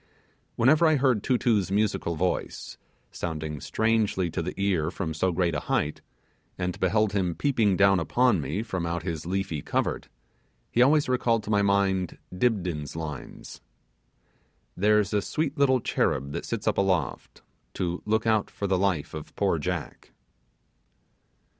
Whenever I heard Too Too's musical voice sounding strangely to the ear from so great a height, and beheld him peeping down upon me from out his leafy covert, he always recalled to my mind Dibdin's lines 'There's a sweet little cherub that sits up aloft, To look out for the life of poor Jack.